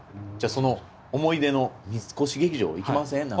じゃあその思い出の三越劇場行きません？